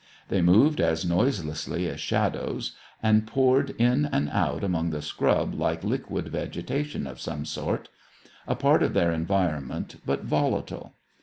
They moved as noiselessly as shadows, and poured in and out among the scrub like liquid vegetation of some sort; a part of their environment, but volatile.